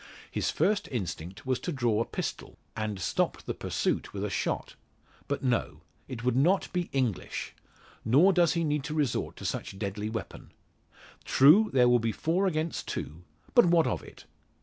His first instinct was to draw a pistol, and stop the pursuit with a shot. But no. It would not be English. Nor does he need resort to such deadly weapon. True there will be four against two; but what of it?